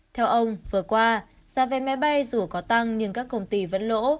theo ông vừa qua giá vé máy bay dù có tăng nhưng các công ty vẫn lỗ